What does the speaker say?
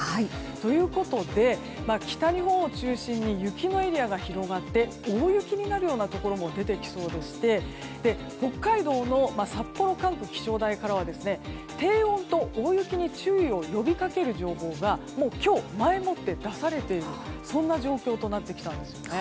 ということで、北日本を中心に雪のエリアが広がって大雪になるようなところも出てきそうでして北海道の札幌管区気象台からは低温と大雪に注意を呼び掛ける情報がもう今日前もって出されているそんな状況となってきたんです。